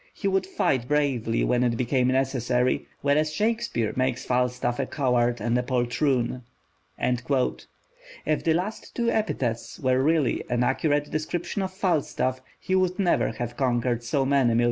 He would fight bravely when it became necessary, whereas Shakespeare makes Falstaff a coward and a poltroon." If the last two epithets were really an accurate description of Falstaff, he would never have conquered so many millions of readers.